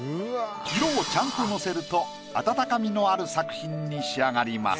色をちゃんとのせると温かみのある作品に仕上がります。